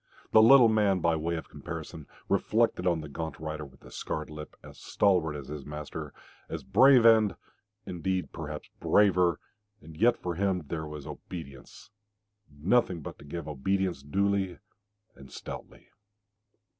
The little man, by way of comparison, reflected on the gaunt rider with the scarred lip, as stalwart as his master, as brave and, indeed, perhaps braver, and yet for him there was obedience, nothing but to give obedience duly and stoutly...